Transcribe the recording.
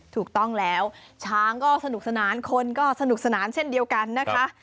ถูกต้องแล้วช้างก็สนุกสนานคนก็สนุกสนานเช่นเดียวกันนะคะ